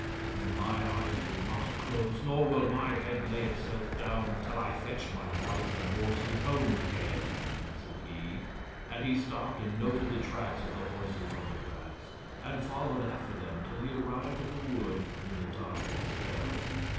'Then my eyes will not close nor will my head lay itself down till I fetch my wife and horses home again,' answered he, and he stopped and noted the tracks of the horses on the grass, and followed after them till he arrived at the wood, when the darkness fell.